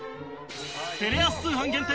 テレ朝通販限定